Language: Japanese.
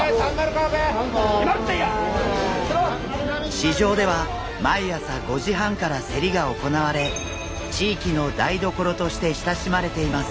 市場では毎朝５時半から競りが行われ地域の台所として親しまれています。